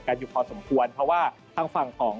อยู่พอสมควรเพราะว่าทางฝั่งของ